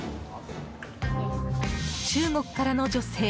中国からの女性。